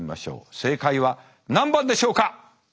正解は何番でしょうか？